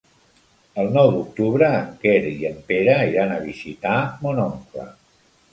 El nou d'octubre en Quer i en Pere iran a visitar mon oncle.